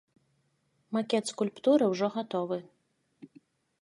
Макет скульптуры ўжо гатовы.